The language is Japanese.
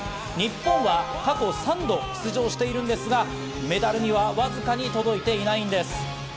日本は過去３度出場してるんですが、メダルにはわずかに届いていないんです。